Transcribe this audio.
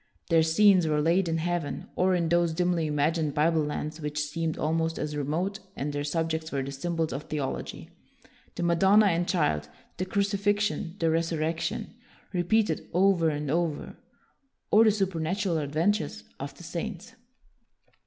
Their scenes were laid in heaven, or in those dimly imagined Bible lands which seemed almost as remote; and their sub jects were the symbols of theology, the Madonna and Child, the crucifixion, the resurrection, repeated over and over, or the supernatural adventures of the saints.